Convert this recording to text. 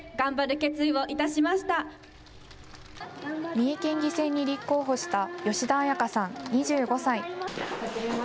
三重県議選に立候補した吉田紋華さん２５歳。